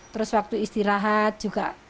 terus waktu istirahat juga